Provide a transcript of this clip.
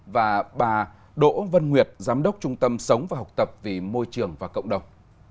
và bà đỗ vân nguyệt giám đốc trung tâm sống và học tập vì môi trường và cộng đồng